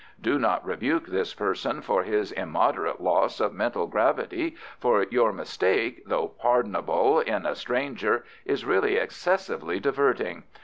Do not rebuke this person for his immoderate loss of mental gravity, for your mistake, though pardonable in a stranger, is really excessively diverting.